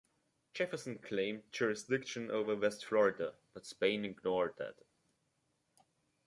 Jefferson claimed jurisdiction over West Florida, but Spain ignored that.